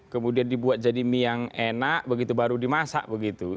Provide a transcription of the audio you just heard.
kemudian dibuat jadi mie yang enak begitu baru dimasak begitu